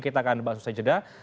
kita akan bahas di sekedah